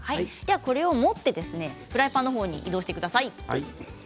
これを持ってフライパンの方に移動してください。